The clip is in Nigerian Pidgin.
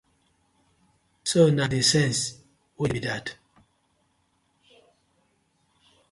So na dey sence wey yu get bi dat.